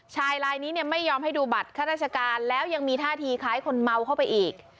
ลายนี้เนี่ยไม่ยอมให้ดูบัตรข้าราชการแล้วยังมีท่าทีคล้ายคนเมาเข้าไปอีก